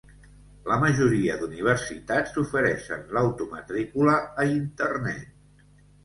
La majoria d'universitats ofereixen l'automatrícula a Internet.